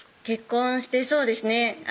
結婚してそうですね